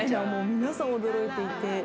皆さん驚いていて。